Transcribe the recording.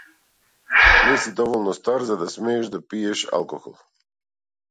Не си доволно стар за да смееш да пиеш алкохол.